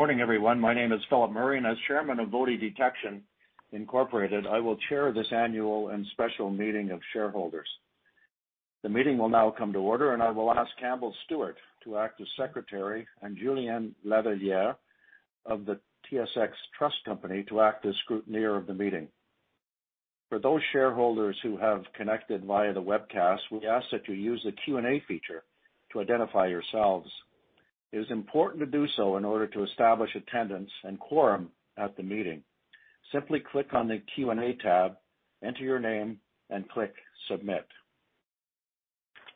Morning, everyone. My name is Philip Murray, and as Chairman of VOTI Detection Inc., I will chair this annual and special meeting of shareholders. The meeting will now come to order, and I will ask Campbell Stuart to act as secretary and Julien Lavalliere of the TSX Trust Company to act as scrutineer of the meeting. For those shareholders who have connected via the webcast, we ask that you use the Q&A feature to identify yourselves. It is important to do so in order to establish attendance and quorum at the meeting. Simply click on the Q&A tab, enter your name, and click Submit.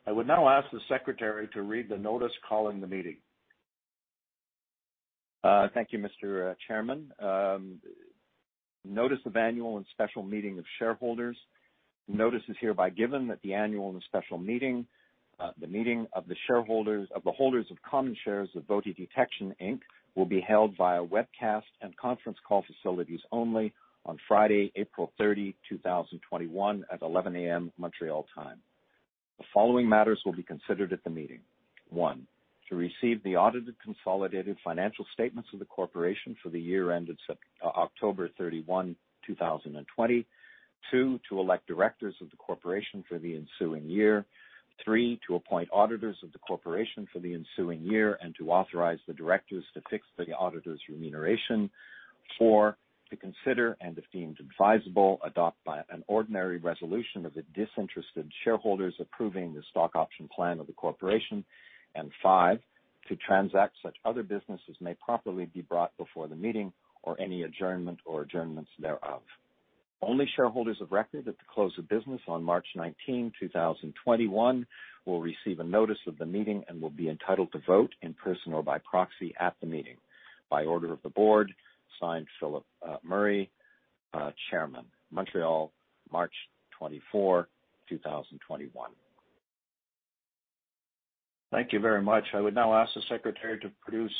I would now ask the secretary to read the notice calling the meeting. Thank you, Mr. Chairman. Notice of annual and special meeting of shareholders. Notice is hereby given that the annual and special meeting, the meeting of the shareholders of the holders of common shares of VOTI Detection, Inc. will be held via webcast and conference call facilities only on Friday, April 30, 2021, at 11:00 A.M. Montreal time. The following matters will be considered at the meeting. One, to receive the audited consolidated financial statements of the corporation for the year ended October 31, 2020. Two, to elect directors of the corporation for the ensuing year. Three, to appoint auditors of the corporation for the ensuing year and to authorize the directors to fix the auditors' remuneration. Four, to consider, and if deemed advisable, adopt by an ordinary resolution of the disinterested shareholders approving the stock option plan of the corporation. Five, to transact such other businesses may properly be brought before the meeting or any adjournment or adjournments thereof. Only shareholders of record at the close of business on March 19, 2021 will receive a notice of the meeting and will be entitled to vote in person or by proxy at the meeting. By order of the board, signed Philip Murray, Chairman, Montreal, March 24, 2021. Thank you very much. I would now ask the secretary to produce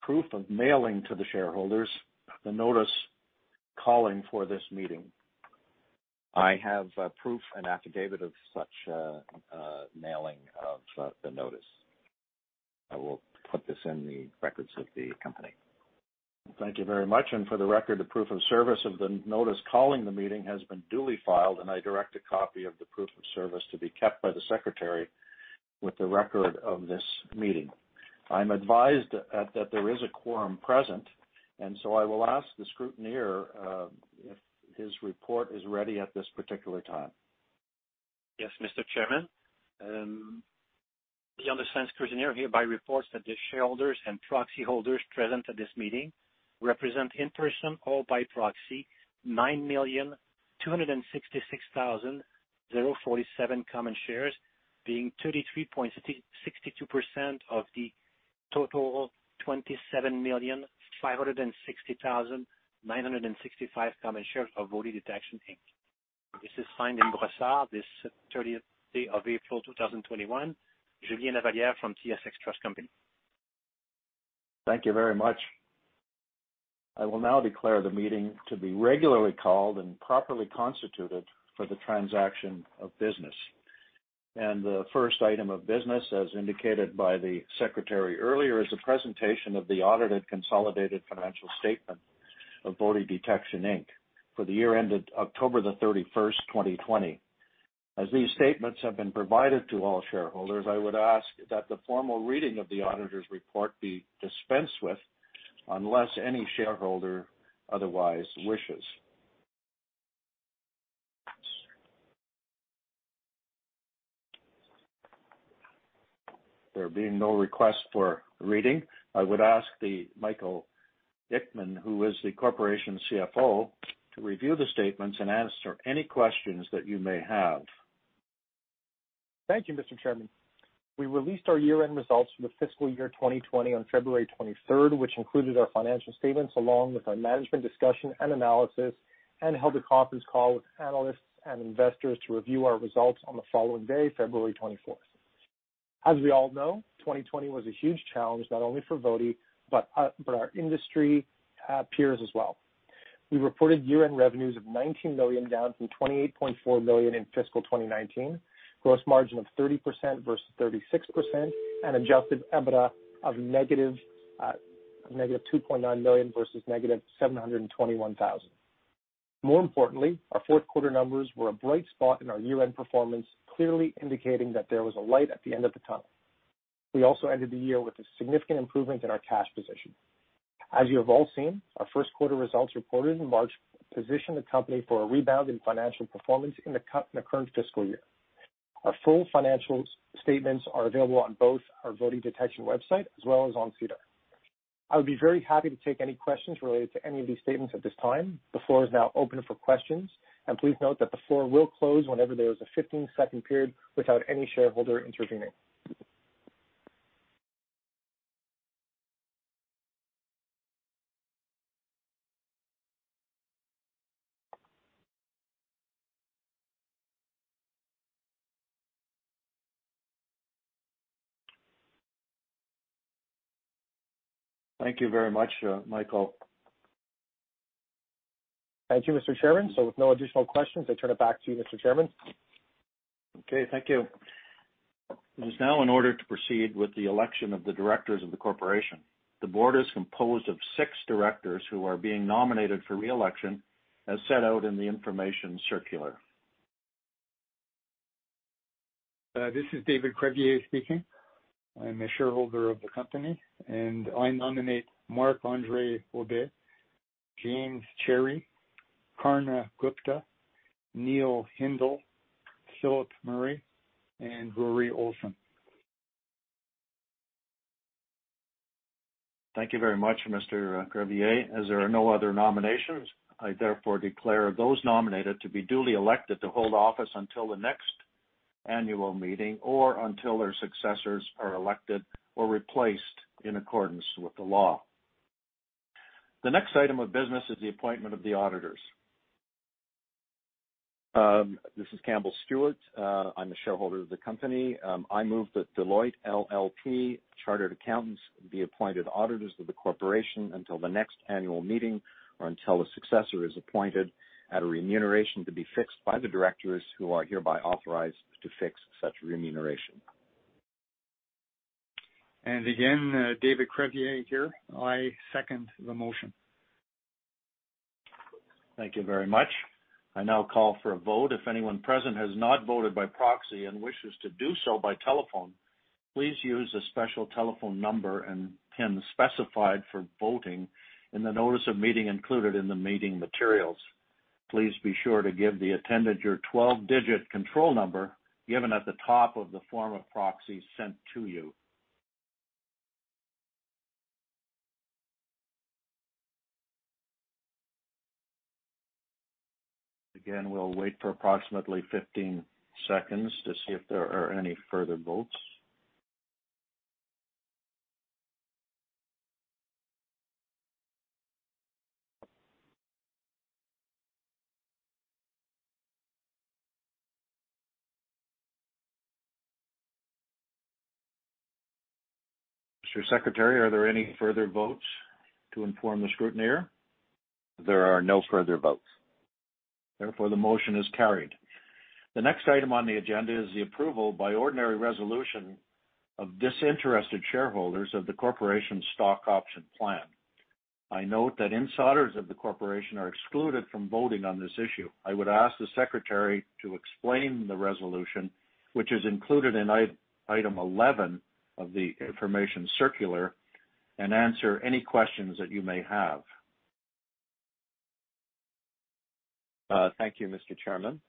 proof of mailing to the shareholders the notice calling for this meeting. I have proof and affidavit of such mailing of the notice. I will put this in the records of the company. Thank you very much. For the record, the proof of service of the notice calling the meeting has been duly filed, and I direct a copy of the proof of service to be kept by the secretary with the record of this meeting. I'm advised that there is a quorum present. I will ask the scrutineer if his report is ready at this particular time. Yes, Mr. Chairman. The undersigned scrutineer hereby reports that the shareholders and proxy holders present at this meeting represent in person or by proxy 9,266,047 common shares, being 33.62% of the total 27,560,965 common shares of VOTI Detection Inc. This is signed in Brossard this 30th day of April, 2021. Julien Lavalliere from TSX Trust Company. Thank you very much. I will now declare the meeting to be regularly called and properly constituted for the transaction of business. The first item of business, as indicated by the Secretary earlier, is the presentation of the audited consolidated financial statement of VOTI Detection Inc. for the year ended October 31st, 2020. As these statements have been provided to all shareholders, I would ask that the formal reading of the auditor's report be dispensed with unless any shareholder otherwise wishes. There being no request for reading, I would ask Michael Ickman, who is the corporation's CFO, to review the statements and answer any questions that you may have. Thank you, Mr. Chairman. We released our year-end results for the fiscal year 2020 on February 23rd, which included our financial statements along with our management discussion and analysis, and held a conference call with analysts and investors to review our results on the following day, February 24th. As we all know, 2020 was a huge challenge, not only for VOTI, but our industry peers as well. We reported year-end revenues of CAD 19 million, down from CAD 28.4 million in fiscal 2019, gross margin of 30% versus 36%, and adjusted EBITDA of -2.9 million versus -721,000. More importantly, our fourth quarter numbers were a bright spot in our year-end performance, clearly indicating that there was a light at the end of the tunnel. We also ended the year with a significant improvement in our cash position. As you have all seen, our first quarter results reported in March position the company for a rebound in financial performance in the current fiscal year. Our full financial statements are available on both our VOTI Detection website as well as on SEDAR. I would be very happy to take any questions related to any of these statements at this time. The floor is now open for questions, and please note that the floor will close whenever there is a 15-second period without any shareholder intervening. Thank you very much, Michael. Thank you, Mr. Chairman. With no additional questions, I turn it back to you, Mr. Chairman. Okay, thank you. It is now in order to proceed with the election of the directors of the corporation. The board is composed of six directors who are being nominated for re-election, as set out in the information circular. This is David Crevier speaking. I'm a shareholder of the company, and I nominate Marc-André Aubé, James Cherry, Karna Gupta, Neil Hindle, Philip Murray, and Rory Olson. Thank you very much, Mr. Crevier. As there are no other nominations, I therefore declare those nominated to be duly elected to hold office until the next annual meeting or until their successors are elected or replaced in accordance with the law. The next item of business is the appointment of the auditors. This is Campbell Stuart. I'm a shareholder of the company. I move that Deloitte LLP Chartered Accountants be appointed auditors of the corporation until the next annual meeting or until a successor is appointed at a remuneration to be fixed by the directors who are hereby authorized to fix such remuneration. Again, David Crevier here. I second the motion. Thank you very much. I now call for a vote. If anyone present has not voted by proxy and wishes to do so by telephone, please use the special telephone number and PIN specified for voting in the Notice of Meeting included in the meeting materials. Please be sure to give the attendant your 12-digit control number given at the top of the form of proxy sent to you. Again, we'll wait for approximately 15 seconds to see if there are any further votes. Mr. Secretary, are there any further votes to inform the scrutineer? There are no further votes. Therefore, the motion is carried. The next item on the agenda is the approval by ordinary resolution of disinterested shareholders of the corporation's stock option plan. I note that insiders of the corporation are excluded from voting on this issue. I would ask the secretary to explain the resolution, which is included in item 11 of the information circular, and answer any questions that you may have. Thank you, Mr. Chairman.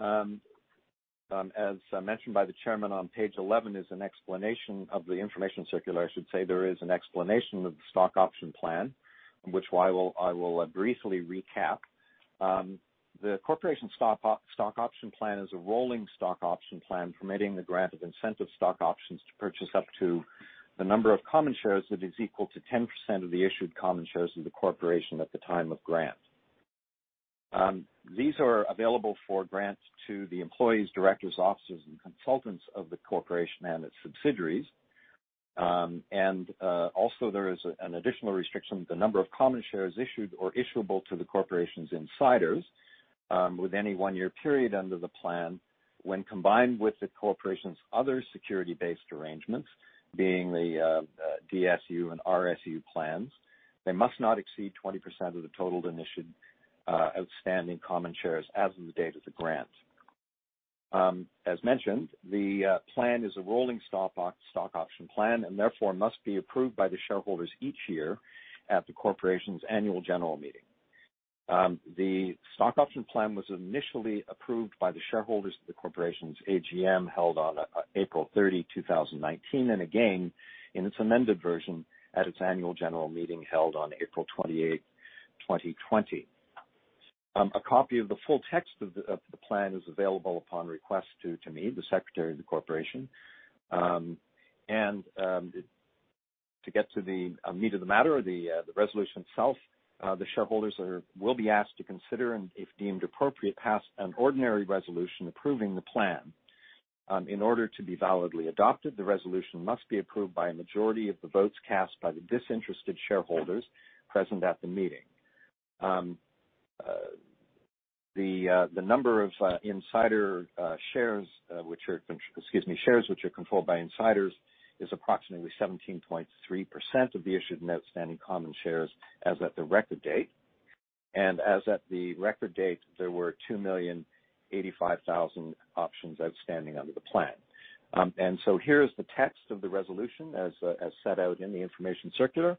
As mentioned by the chairman, on page 11 is an explanation of the information circular. I should say there is an explanation of the stock option plan, which I will briefly recap. The corporation stock option plan is a rolling stock option plan, permitting the grant of incentive stock options to purchase up to the number of common shares that is equal to 10% of the issued common shares of the corporation at the time of grant. These are available for grant to the employees, directors, officers, and consultants of the corporation and its subsidiaries. Also there is an additional restriction. The number of common shares issued or issuable to the corporation's insiders, with any one-year period under the plan, when combined with the corporation's other security-based arrangements, being the DSU and RSU plans, they must not exceed 20% of the total then issued outstanding common shares as of the date of the grant. As mentioned, the plan is a rolling stock option plan and therefore must be approved by the shareholders each year at the corporation's annual general meeting. The stock option plan was initially approved by the shareholders of the corporation's AGM held on April 30, 2019, and again in its amended version at its annual general meeting held on April 28, 2020. A copy of the full text of the plan is available upon request to me, the Secretary of the Corporation. To get to the meet of the matter or the resolution itself, the shareholders will be asked to consider, and if deemed appropriate, pass an ordinary resolution approving the plan. In order to be validly adopted, the resolution must be approved by a majority of the votes cast by the disinterested shareholders present at the meeting. The number of insider shares, which are controlled by insiders is approximately 17.3% of the issued and outstanding common shares as at the record date. As at the record date, there were 2,085,000 options outstanding under the plan. Here is the text of the resolution as set out in the information circular.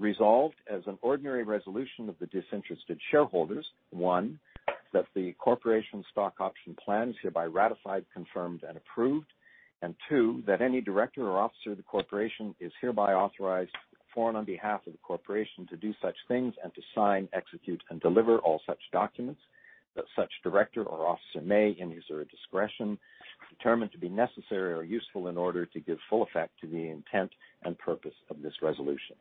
Resolved as an ordinary resolution of the disinterested shareholders. One, that the corporation's stock option plan is hereby ratified, confirmed and approved. And two, that any director or officer of the corporation is hereby authorized to perform on behalf of the corporation to do such things and to sign, execute, and deliver all such documents that such director or officer may, in his or her discretion, determine to be necessary or useful in order to give full effect to the intent and purpose of this resolution.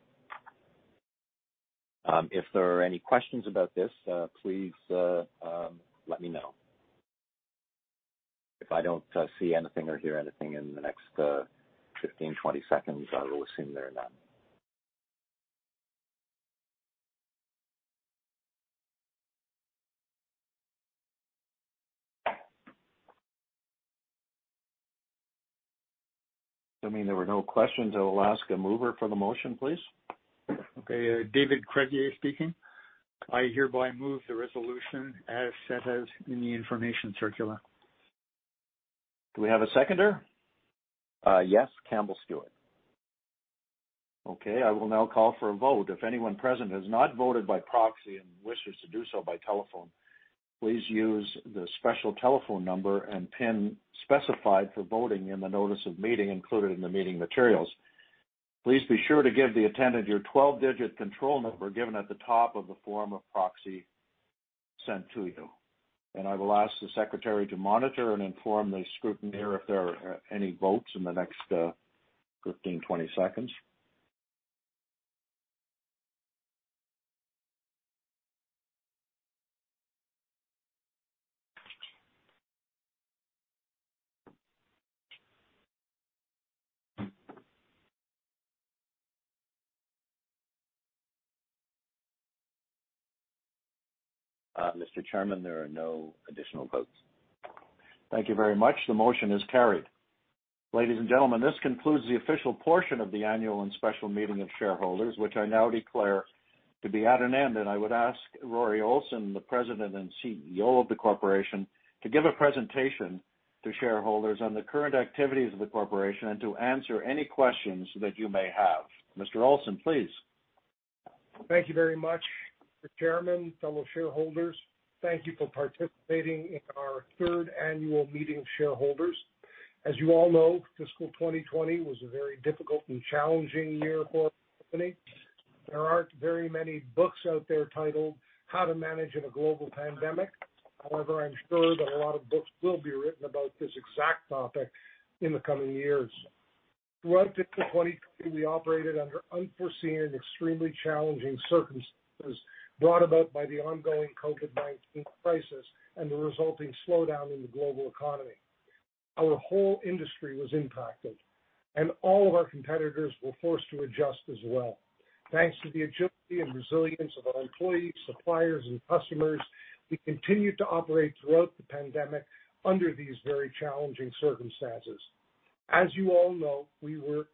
Um, if there are any questions about this, uh, please, uh, um, let me know. If I don't see anything or hear anything in the next, 15, 20 seconds, I will assume there are none. Assuming there were no questions, I will ask a mover for the motion, please. Okay. David Crevier speaking. I hereby move the resolution as set out in the information circular. Do we have a seconder? Uh, yes, Campbell Stuart. Okay. I will now call for a vote. If anyone present has not voted by proxy and wishes to do so by telephone, please use the special telephone number and pin specified for voting in the notice of meeting included in the meeting materials. Please be sure to give the attendant your twelve-digit control number given at the top of the form of proxy sent to you. And I will ask the secretary to monitor and inform the scrutineer if there are, uh, any votes in the next, uh, 15, 20 seconds. Uh, Mr. Chairman, there are no additional votes. Thank you very much. The motion is carried. Ladies and gentlemen, this concludes the official portion of the annual and special meeting of shareholders, which I now declare to be at an end. I would ask Rory Olson, the President and CEO of the Corporation, to give a presentation to shareholders on the current activities of the Corporation and to answer any questions that you may have. Mr. Olson, please. Thank you very much, Mr. Chairman. Fellow shareholders, thank you for participating in our third annual meeting of shareholders. As you all know, fiscal 2020 was a very difficult and challenging year for our company. There aren't very many books out there titled How to Manage in a Global Pandemic. However, I'm sure that a lot of books will be written about this exact topic in the coming years. Throughout fiscal 2020, we operated under unforeseen and extremely challenging circumstances brought about by the ongoing COVID-19 crisis and the resulting slowdown in the global economy. Our whole industry was impacted, and all of our competitors were forced to adjust as well. Thanks to the agility and resilience of our employees, suppliers, and customers, we continued to operate throughout the pandemic under these very challenging circumstances. As you all know, we were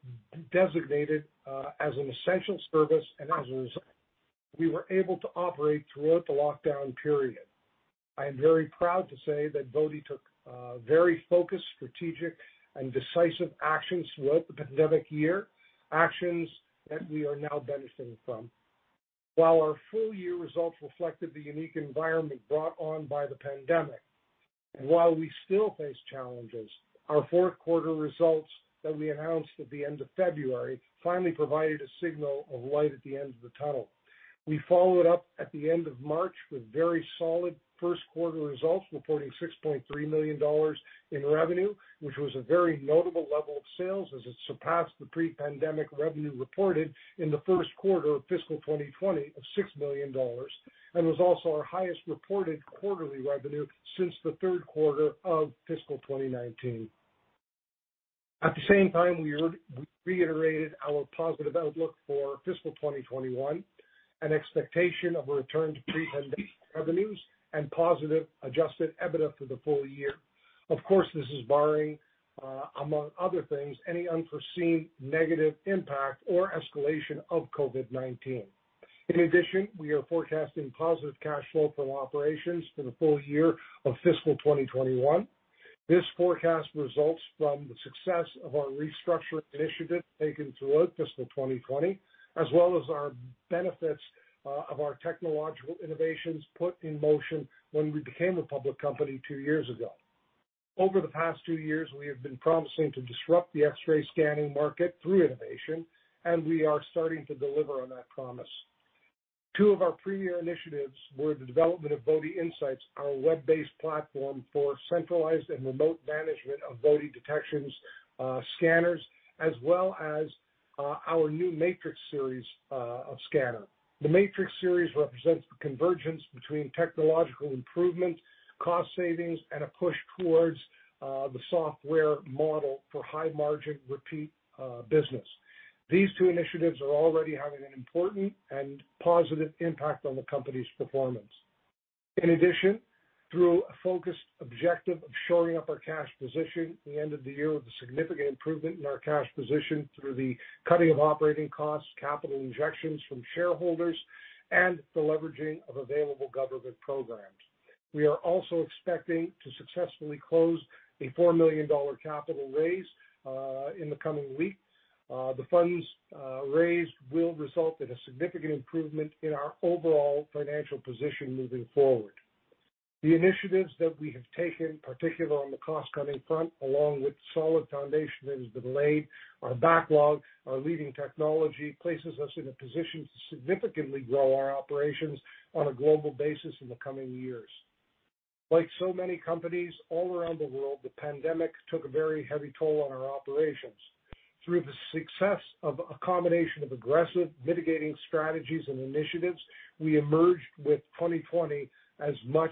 designated as an essential service, and as a result, we were able to operate throughout the lockdown period. I am very proud to say that VOTI took very focused, strategic, and decisive actions throughout the pandemic year, actions that we are now benefiting from. While our full year results reflected the unique environment brought on by the pandemic, and while we still face challenges, our fourth quarter results that we announced at the end of February finally provided a signal of light at the end of the tunnel. We followed up at the end of March with very solid first quarter results, reporting 6.3 million dollars in revenue, which was a very notable level of sales as it surpassed the pre-pandemic revenue reported in the first quarter of fiscal 2020 of 6 million dollars, and was also our highest reported quarterly revenue since the third quarter of fiscal 2019. At the same time, we re-reiterated our positive outlook for fiscal 2021, an expectation of a return to pre-pandemic revenues and positive adjusted EBITDA for the full year. Of course, this is barring, among other things, any unforeseen negative impact or escalation of COVID-19. In addition, we are forecasting positive cash flow from operations for the full year of fiscal 2021. This forecast results from the success of our restructuring initiative taken throughout fiscal 2020, as well as our benefits of our technological innovations put in motion when we became a public company two years ago. Over the past two years, we have been promising to disrupt the X-ray scanning market through innovation. We are starting to deliver on that promise. Two of our premier initiatives were the development of VotiINSIGHTS, our web-based platform for centralized and remote management of VOTI Detection's scanners, as well as our new MATRIX Series of scanner. The MATRIX Series represents the convergence between technological improvement, cost savings, and a push towards the software model for high margin repeat business. These two initiatives are already having an important and positive impact on the company's performance. In addition, through a focused objective of shoring up our cash position at the end of the year with a significant improvement in our cash position through the cutting of operating costs, capital injections from shareholders, and the leveraging of available government programs. We are also expecting to successfully close a 4 million dollar capital raise in the coming weeks. The funds raised will result in a significant improvement in our overall financial position moving forward. The initiatives that we have taken, particularly on the cost-cutting front, along with the solid foundation that has been laid, our backlog, our leading technology, places us in a position to significantly grow our operations on a global basis in the coming years. Like so many companies all around the world, the pandemic took a very heavy toll on our operations. Through the success of a combination of aggressive mitigating strategies and initiatives, we emerged with 2020 as much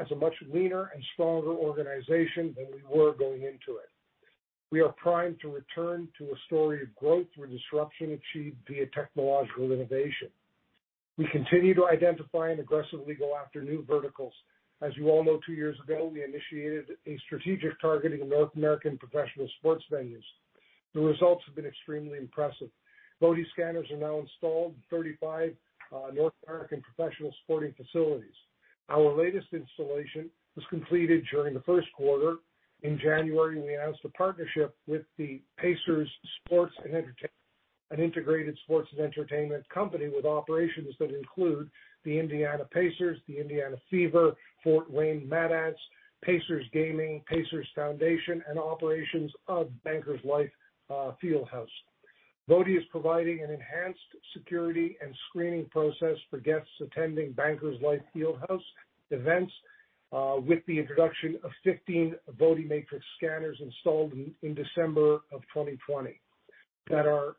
as a much leaner and stronger organization than we were going into it. We are primed to return to a story of growth through disruption achieved via technological innovation. We continue to identify and aggressively go after new verticals. As you all know, two years ago, we initiated a strategic targeting of North American professional sports venues. The results have been extremely impressive. Body scanners are now installed in 35 North American professional sporting facilities. Our latest installation was completed during the first quarter. In January, we announced a partnership with the Pacers Sports & Entertainment, an integrated sports and entertainment company with operations that include the Indiana Pacers, the Indiana Fever, Fort Wayne Mad Ants, Pacers Gaming, Pacers Foundation, and operations of Bankers Life, uh, Fieldhouse. Voti is providing an enhanced security and screening process for guests attending Bankers Life Fieldhouse events, uh, with the introduction of 15 VOTI MATRIX scanners installed in December of 2020 that are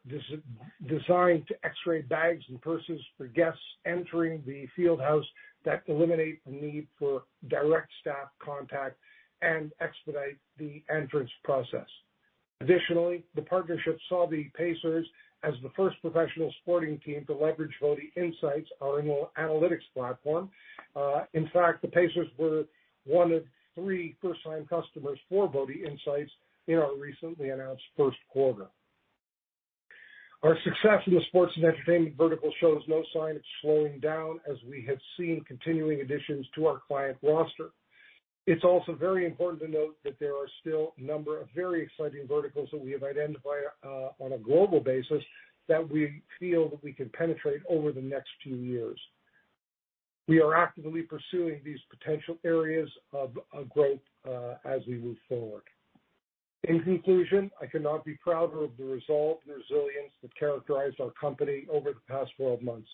designed to X-ray bags and purses for guests entering the fieldhouse that eliminate the need for direct staff contact and expedite the entrance process. Additionally, the partnership saw the Pacers as the first professional sporting team to leverage VotiINSIGHTS, our anal-analytics platform. Uh, in fact, the Pacers were one of three first-line customers for VotiINSIGHTS in our recently announced first quarter. Our success in the sports and entertainment vertical shows no sign it's slowing down, as we have seen continuing additions to our client roster. It's also very important to note that there are still a number of very exciting verticals that we have identified, uh, on a global basis that we feel that we can penetrate over the next two years. We are actively pursuing these potential areas of growth, uh, as we move forward. In conclusion, I cannot be prouder of the resolve and resilience that characterized our company over the past twelve months.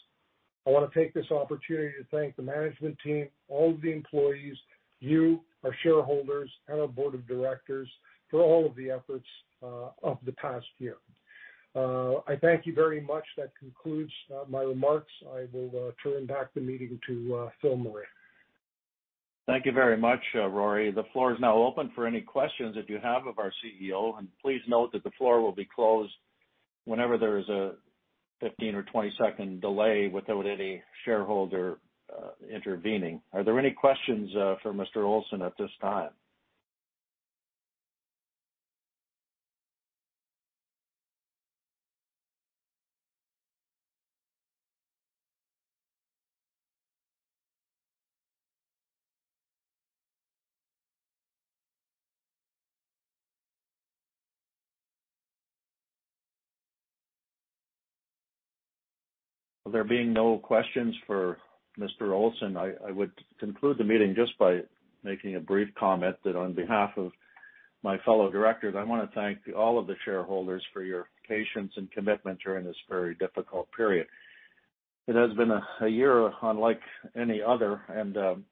I wanna take this opportunity to thank the management team, all of the employees, you, our shareholders, and our board of directors for all of the efforts, uh, of the past year. Uh, I thank you very much. That concludes, uh, my remarks. I will, uh, turn back the meeting to, uh, Phil Murray. Thank you very much, uh, Rory. The floor is now open for any questions that you have of our CEO. And please note that the floor will be closed whenever there is a 15 or 20-second delay without any shareholder, uh, intervening. Are there any questions, uh, for Mr. Olson at this time? There being no questions for Mr. Olson, I would conclude the meeting just by making a brief comment that on behalf of my fellow directors, I wanna thank all of the shareholders for your patience and commitment during this very difficult period. It has been a year unlike any other, and, um,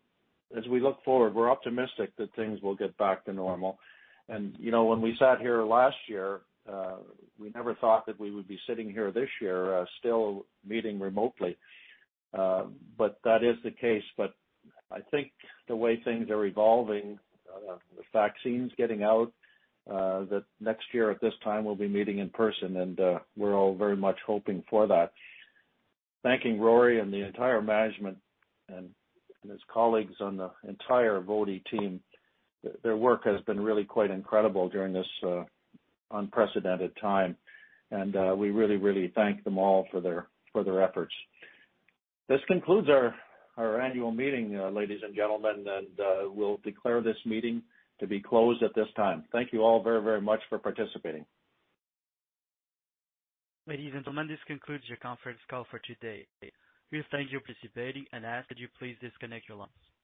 as we look forward, we're optimistic that things will get back to normal. And, you know, when we sat here last year, uh, we never thought that we would be sitting here this year, uh, still meeting remotely. Um, but that is the case. But I think the way things are evolving, uh, the vaccines getting out, uh, that next year at this time we'll be meeting in person, and, uh, we're all very much hoping for that. Thanking Rory and the entire management and his colleagues on the entire Voti team. Their work has been really quite incredible during this, uh, unprecedented time. And, uh, we really, really thank them all for their, for their efforts. This concludes our annual meeting, uh, ladies and gentlemen, and, uh, we'll declare this meeting to be closed at this time. Thank you all very, very much for participating. Ladies and gentlemen, this concludes your conference call for today. We thank you participating and ask that you please disconnect your lines.